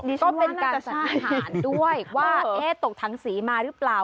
ก็เป็นการสัญญาณด้วยว่าเอ๊ะตกทั้งสีมารึเปล่า